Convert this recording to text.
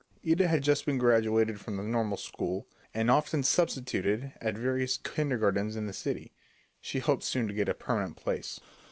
Ida had just been graduated from the normal school, and often substituted at various kindergartens in the city. She hoped soon to get a permanent place.